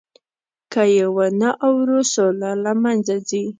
که یې ونه اورو، سوله له منځه ځي.